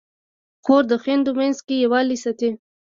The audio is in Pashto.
خور د خویندو منځ کې یووالی ساتي.